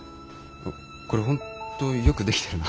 これ本当よく出来てるな。